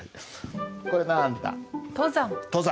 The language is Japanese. これなんだ？